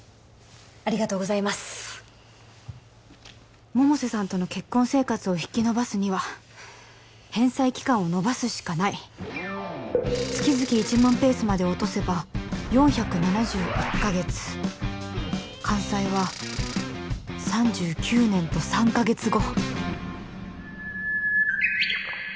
ありがとうございます百瀬さんとの結婚生活を引き延ばすには返済期間を延ばすしかない月々１万ペースまで落とせば４７１カ月完済は３９年と３カ月後